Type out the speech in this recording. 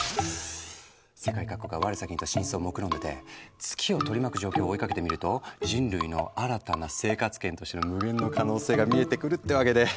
世界各国が我先にと進出をもくろんでて月を取り巻く状況を追いかけてみると人類の新たな生活圏としての無限の可能性が見えてくるってわけで。